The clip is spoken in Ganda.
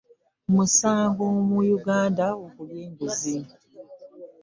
musango mu uganda okulya enguzi.